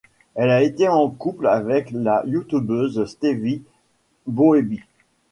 Elle a été en couple avec la youtubeuse Stevie Boebi.